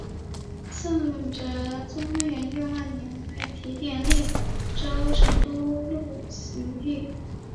宋哲宗元佑二年为提点利州成都路刑狱。